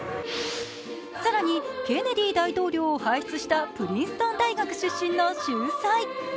更にケネディ大統領を輩出したプリンストン大学出身の秀才。